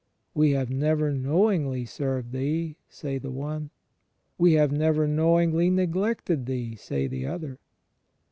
... "We have never knowingly served Thee," say the one. "We have never know ingly neglected Thee," say the other.